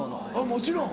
もちろん。